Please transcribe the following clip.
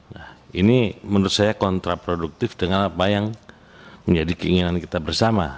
nah ini menurut saya kontraproduktif dengan apa yang menjadi keinginan kita bersama